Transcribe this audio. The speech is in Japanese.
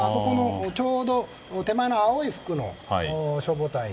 ちょうど手前の青い服の消防隊員。